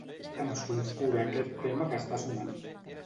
Em sulfura aquest tema que està sonant.